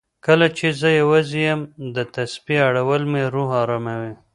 کله چې زه یوازې یم، د تسبېح اړول مې روح اراموي.